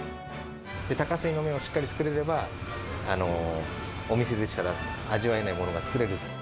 多加水の麺をしっかり作れれば、お店でしか出せない、味わえないものを作れる。